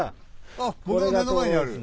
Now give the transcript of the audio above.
あっ僕の目の前にある。